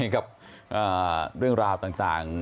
กับเรื่องราวต่าง